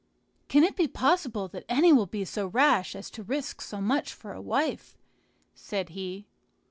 "Can it be possible that any will be so rash as to risk so much for a wife?" said he.